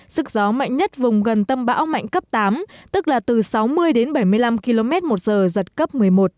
sức gió mạnh nhất vùng gần tâm bão mạnh cấp tám tức là từ sáu mươi đến bảy mươi năm km một giờ giật cấp một mươi một